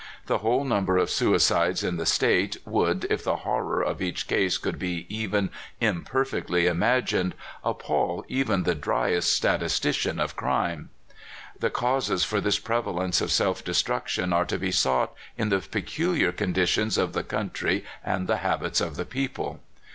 The whole number of suicides in the State would, if the horror of each case could be even imperfectly im agined, appall even the dryest statistician of crime. The causes for this prevalence of self destruction are to be sought in the peculiar conditions of the country and the habits of the people.